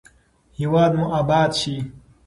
هیواد مو اباد شي.